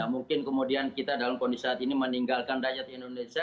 mungkin kemudian kita dalam kondisi saat ini meninggalkan rakyat indonesia